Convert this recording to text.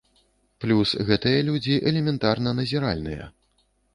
Плюс гэтыя людзі элементарна назіральныя.